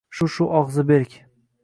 Shu-shu og‘zi berk.